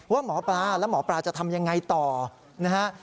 ว่าหมอปลาและหมอปลาจะทำยังไงต่อนะฮะ